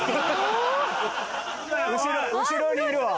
後ろにいるわ。